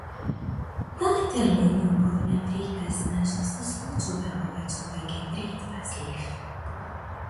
Батали љубовна приказна што се случува кога човек е претпазлив.